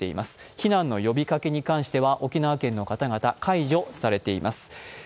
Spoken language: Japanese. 避難の呼びかけに関しては、沖縄県の方々解除されています。